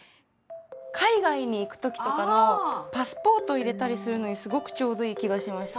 海外に行く時とかのパスポート入れたりするのにすごくちょうどいい気がしました。